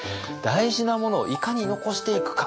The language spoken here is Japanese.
大事なものをいかに残していくか。